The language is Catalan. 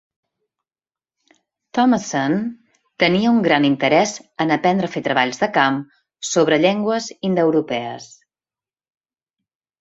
Thomason tenia un gran interès en aprendre a fer treballs de camp sobre llengües indoeuropees.